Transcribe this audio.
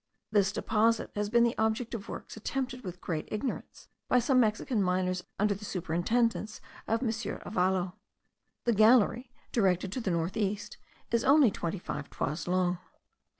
This deposit has been the object of works attempted with great ignorance by some Mexican miners under the superintendance of M. Avalo. The gallery* directed to the north east, is only twenty five toises long.